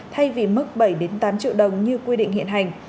thay vì mức bảy tám triệu đồng như quy định hiện hành